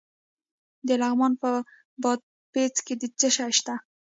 د لغمان په بادپخ کې څه شی شته؟